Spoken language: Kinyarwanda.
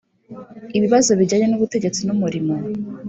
ibibazo bijyanye n'ubutegetsi n'umurimo